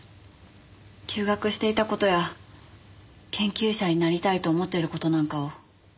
休学していた事や研究者になりたいと思っている事なんかを。